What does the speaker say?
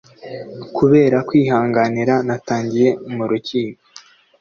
kubera kwihanganira natangiye mu rukiko